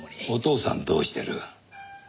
お父さんどうしてる？